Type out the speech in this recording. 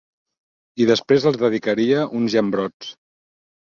I després els dedicaria uns llambrots.